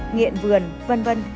nghiện vườn vân vân